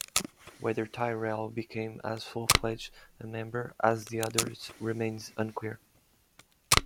Whether Tyrell became as full-fledged a member as the others remains unclear.